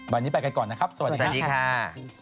วันนี้ไปกันก่อนนะครับสวัสดีค่ะ